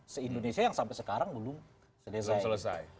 seindonesia yang sampai sekarang belum selesai